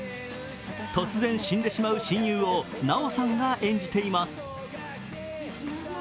突然死んでしまう親友を奈緒さんが演じています。